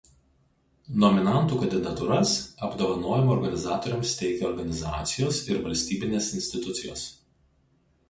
Nominantų kandidatūras apdovanojimų organizatoriams teikia organizacijos ir valstybinės institucijos.